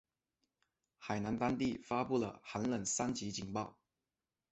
海南当地发布了寒冷三级警报。